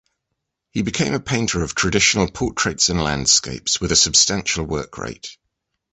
He became a painter of traditional portraits and landscapes with a substantial workrate.